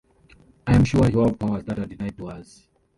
I am sure you have powers that are denied to us.